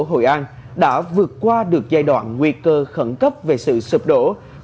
hội an đã vượt qua được giai đoạn nguy cơ khẩn cấp về sự sụp đổ